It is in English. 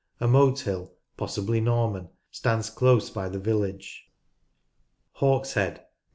A mote hill, possibly Norman, stands close by the village, (pp.